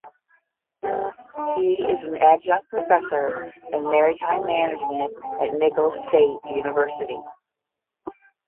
He is an adjunct professor in maritime management at Nicholls State University.